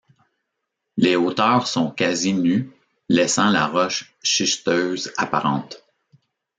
Les hauteurs sont quasi nues, laissant la roche schisteuse apparente.